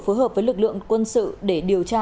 phối hợp với lực lượng quân sự để điều tra